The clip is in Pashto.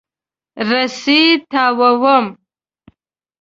رسۍ تاووم.